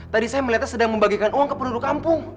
tadi saya melihatnya sedang membagikan uang ke produk kampung